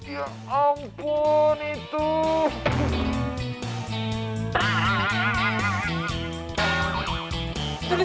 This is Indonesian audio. ya ampun yaa